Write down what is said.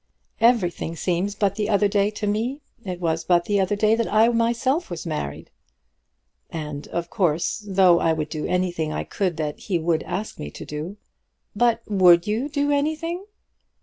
"Everything seems but the other day to me. It was but the other day that I myself was married." "And, of course, though I would do anything I could that he would ask me to do " "But would you do anything?"